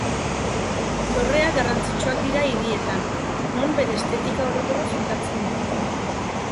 Dorreak garrantzitsuak dira hirietan, non bere estetika orokorra finkatzen duten.